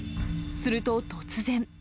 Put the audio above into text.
すると、突然。